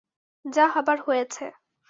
যা হবার হয়েছে।